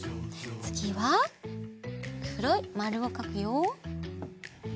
つぎはくろいまるをかくよ。